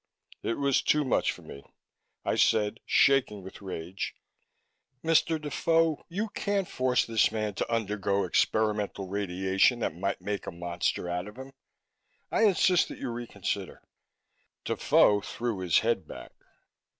It was too much for me. I said, shaking with rage, "Mr. Defoe, you can't force this man to undergo experimental radiation that might make a monster out of him! I insist that you reconsider!" Defoe threw his head back.